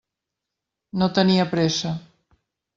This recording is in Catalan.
No tenia pressa.